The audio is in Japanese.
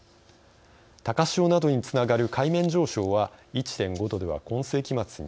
高潮などにつながる海面上昇は１．５度では今世紀末に